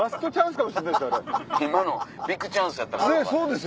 今のビッグチャンスやったかも。